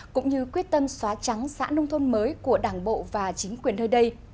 cũng như quyết tâm xóa trắng xã nông thôn mới của đảng bộ và chính quyền nơi đây